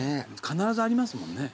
必ずありますもんね。